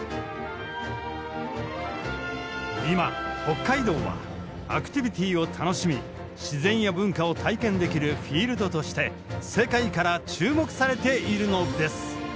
今北海道はアクティビティーを楽しみ自然や文化を体験できるフィールドとして世界から注目されているのです。